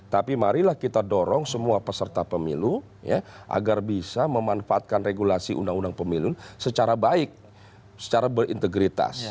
tapi marilah kita dorong semua peserta pemilu agar bisa memanfaatkan regulasi undang undang pemilu secara baik secara berintegritas